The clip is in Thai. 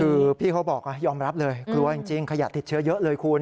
คือพี่เขาบอกยอมรับเลยกลัวจริงขยะติดเชื้อเยอะเลยคุณ